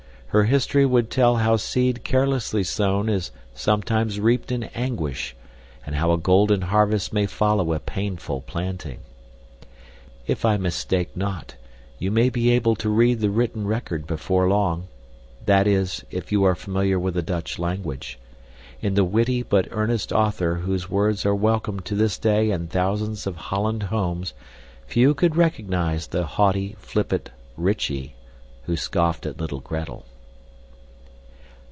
Her history would tell how seed carelessly sown is sometimes reaped in anguish and how a golden harvest may follow a painful planting. If I mistake not, you may be able to read the written record before long; that is, if you are familiar with the Dutch language. In the witty but earnest author whose words are welcomed to this day in thousands of Holland homes, few could recognize the haughty, flippant Rychie who scoffed at little Gretel.